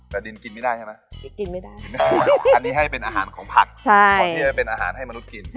แต่ดินกินไม่ได้ใช่ไหม